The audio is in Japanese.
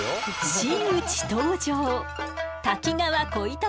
真打ち登場！